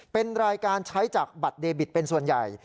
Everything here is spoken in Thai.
เป็นรายการใช้จากบัตรเดบิตเป็นส่วนใหญ่